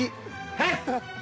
はい！